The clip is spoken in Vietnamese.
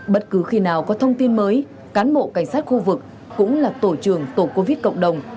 bất cứ khi nào có thông tin mới cán bộ cảnh sát khu vực cũng là tổ trưởng tổ covid cộng đồng